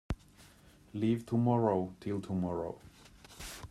Leave tomorrow till tomorrow.